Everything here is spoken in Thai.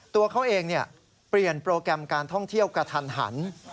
ตัวเขาเองเปลี่ยนโปรแกรมการท่องเที่ยวกระทันหัน